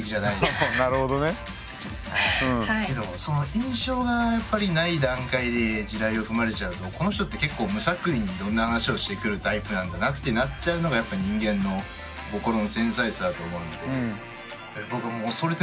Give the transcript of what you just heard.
印象がやっぱりない段階で地雷を踏まれちゃうとこの人って結構無作為にいろんな話をしてくるタイプなんだなってなっちゃうのが人間の心の繊細さだと思うのでビビり